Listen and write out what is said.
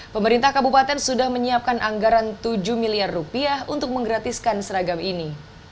pemerintah kabupaten sudah menyiapkan anggaran tujuh miliar rupiah untuk menggratiskan seragam ini